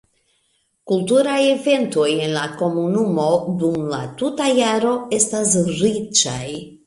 Kulturaj eventoj en la komunumo dum la tuta jaro estas riĉaj.